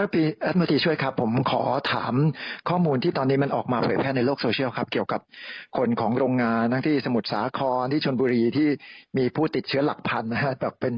ผมขอถามข้อมูลที่ตอนนี้มันออกมาแค่ในโลกโซเชียลครับเกี่ยวกับคนของโรงงานที่สมุทรสาครที่ชนบุรีที่มีผู้ติดเชื้อหลักพันธุ์นะครับ